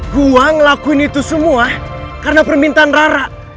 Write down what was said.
gua ngelakuin itu semua karena permintaan rara